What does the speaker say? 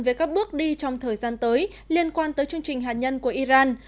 về các bước đi trong thời gian tới liên quan tới chương trình hạt nhân của iran